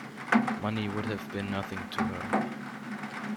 Money would have been nothing to her.